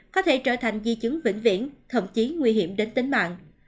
có thể trở thành di chứng vĩnh viễn thậm chí nguy hiểm đến tính mạng